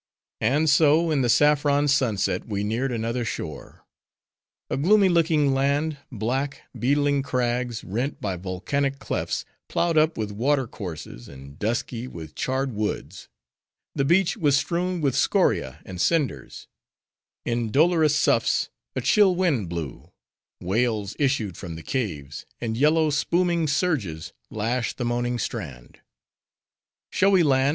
And so, in the saffron sunset, we neared another shore. A gloomy looking land! black, beetling crags, rent by volcanic clefts; ploughed up with water courses, and dusky with charred woods. The beach was strewn with scoria and cinders; in dolorous soughs, a chill wind blew; wails issued from the caves; and yellow, spooming surges, lashed the moaning strand. "Shall we land?"